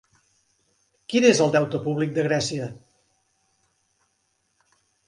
Quin és el deute públic de Grècia?